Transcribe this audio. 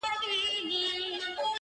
زه به ستا هېره که په یاد یم!.